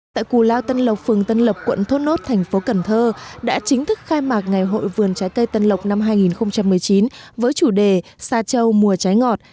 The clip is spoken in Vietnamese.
tại cù lao tân lộc phường tân lộc quận thốt nốt thành phố cần thơ đã chính thức khai mạc ngày hội vườn trái cây tân lộc năm hai nghìn một mươi chín với chủ đề sa châu mùa trái ngọt